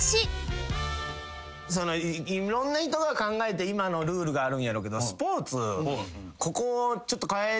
いろんな人が考えて今のルールがあるんやろうけど。